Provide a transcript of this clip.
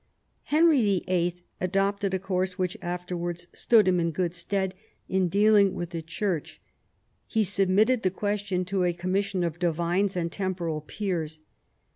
Henry VIII. adopted a course which afterwards stood him in good stead in dealing with the Church ; he sub mitted the question to a commission of divines and tem poral peers.